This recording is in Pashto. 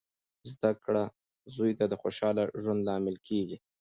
زده کړه زوی ته د خوشخاله ژوند لامل کیږي.